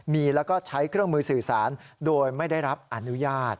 มีแล้วก็ใช้เครื่องมือสื่อสารโดยไม่ได้รับอนุญาต